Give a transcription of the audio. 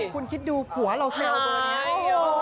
คุณคิดดูผัวเราแซวเบอร์นี้